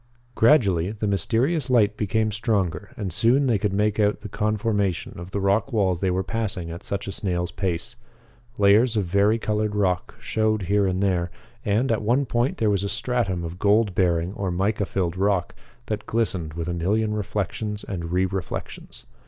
Gradually the mysterious light became stronger and soon they could make out the conformation of the rock walls they were passing at such a snail's pace. Layers of vari colored rock showed here and there, and, at one point there was a stratum of gold bearing or mica filled rock that glistened with a million reflections and re reflections.